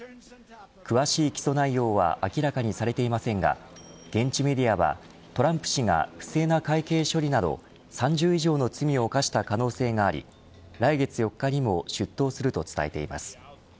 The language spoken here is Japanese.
詳しい起訴内容は明らかにされていませんが現地メディアはトランプ氏が不正な会計処理など、３０以上の罪を犯した可能性があり来月４日にも出頭すると伝えています。